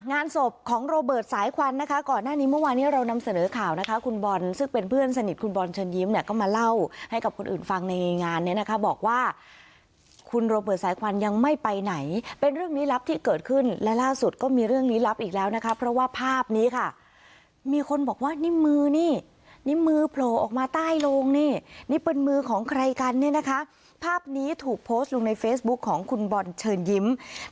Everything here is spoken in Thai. งานศพของโรเบิร์ตสายควันนะคะก่อนหน้านี้เมื่อวานี้เรานำเสนอข่าวนะคะคุณบอลซึ่งเป็นเพื่อนสนิทคุณบอลเชิญยิ้มเนี่ยก็มาเล่าให้กับคนอื่นฟังในงานเนี้ยนะคะบอกว่าคุณโรเบิร์ตสายควันยังไม่ไปไหนเป็นเรื่องนี้ลับที่เกิดขึ้นและล่าสุดก็มีเรื่องนี้ลับอีกแล้วนะคะเพราะว่าภาพนี้ค่ะมีคนบอกว่านี่มือนี่นี่ม